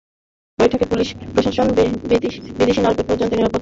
বৈঠকে পুলিশ প্রশাসন বিদেশি নাগরিকদের পর্যাপ্ত নিরাপত্তা দেওয়ার বিষয়টি নিশ্চিত করে।